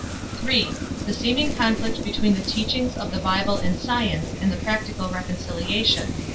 (3) The Seeming Conflict Between the Teachings of the Bible and Science and the Practical Reconciliation.